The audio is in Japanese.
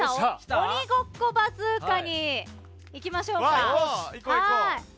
「鬼ごっこバズーカ」に行きましょうか。